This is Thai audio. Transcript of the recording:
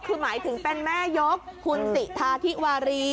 คือหมายถึงเป็นแม่ยกคุณสิทาธิวารี